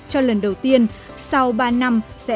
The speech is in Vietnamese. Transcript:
hơn một năm triệu đồng